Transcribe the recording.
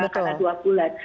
karena dua bulan